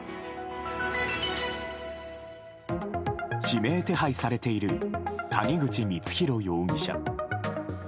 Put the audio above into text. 指名手配されている谷口光弘容疑者。